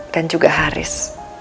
dan juga haris